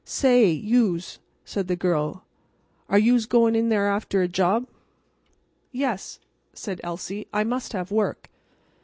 "Say, you'se," said the girl, "are you'se goin' in there after a job?" "Yes," said Elsie; "I must have work."